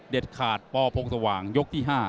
ขาดปพงสว่างยกที่๕